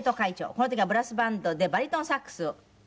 この時はブラスバンドでバリトンサックスを。